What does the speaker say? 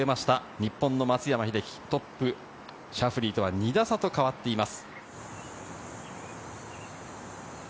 日本は松山英樹、トップ、シャフリーとは２打差と変わっています。